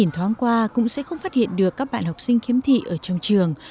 tháng qua cũng sẽ không phát hiện được các bạn học sinh khiếm thị ở trong trường